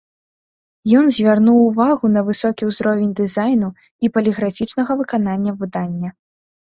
Ён звярнуў увагу на высокі ўзровень дызайну і паліграфічнага выканання выдання.